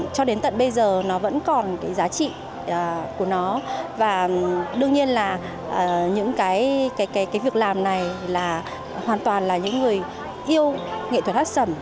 cho đến tận bây giờ nó vẫn còn cái giá trị của nó và đương nhiên là những cái việc làm này là hoàn toàn là những người yêu nghệ thuật hát sầm